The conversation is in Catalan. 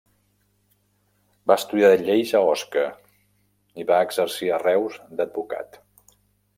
Va estudiar lleis a Osca i va exercir a Reus d'advocat.